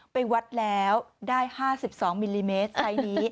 ไปวัดแล้วได้๕๒มิลลิเมตรไซส์นี้